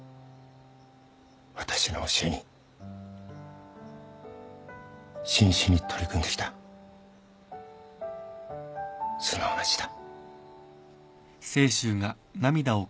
私の教えに真摯に取り組んできた素直な字だ。